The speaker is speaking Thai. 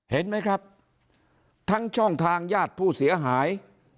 เห็นไหมครับทั้งช่องทางญาติผู้เสียหาย